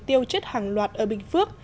tiêu chết hàng loạt ở bình phước